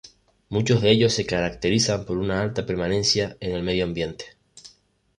Muchos de ellos se caracterizan por una alta permanencia en el medio ambiente.